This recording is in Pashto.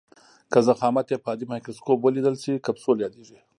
که ضخامت یې په عادي مایکروسکوپ ولیدل شي کپسول یادیږي.